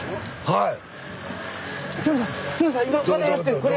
はい！